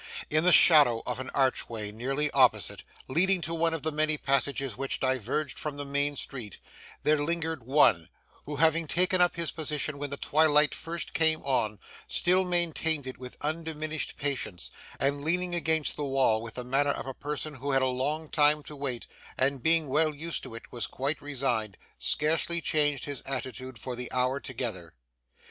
In the shadow of an archway nearly opposite, leading to one of the many passages which diverged from the main street, there lingered one, who, having taken up his position when the twilight first came on, still maintained it with undiminished patience, and leaning against the wall with the manner of a person who had a long time to wait, and being well used to it was quite resigned, scarcely changed his attitude for the hour together.